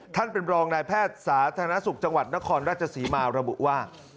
ท่านเป็นรองนายแพทย์สาธารณสุขจังหวัดนครราชศรีมาระบุว่า